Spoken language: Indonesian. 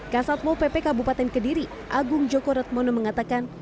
kasatmo pp kabupaten kediri agung joko redmono mengatakan